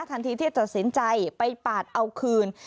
ทันทีที่ตัดสินใจไปปาดเอาคืน